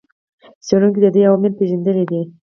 څېړونکو د دې عوامل پېژندلي دي.